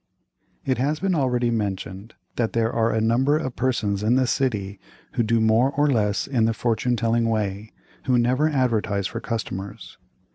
It has been already mentioned that there are a number of persons in the city who do more or less in the fortune telling way, who never advertise for customers.